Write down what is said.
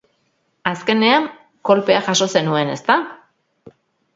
Azkenean kolpea jaso zenuen, ezta?